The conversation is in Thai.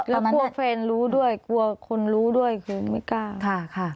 แล้วกลัวแฟนรู้ด้วยกลัวคนรู้ด้วยคือไม่กล้าค่ะ